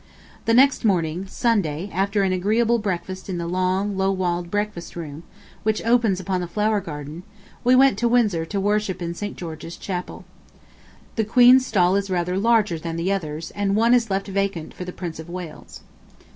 The next morning (Sunday), after an agreeable breakfast in the long, low walled breakfast room, which opens upon the flower garden, we went to Windsor to worship in St. George's Chapel. The Queen's stall is rather larger than the others, and one is left vacant for the Prince of Wales.